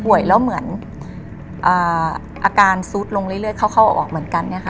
แล้วเหมือนอาการซุดลงเรื่อยเข้าออกเหมือนกันเนี่ยค่ะ